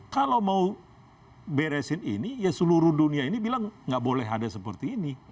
kalau mau beresin ini ya seluruh dunia ini bilang nggak boleh ada seperti ini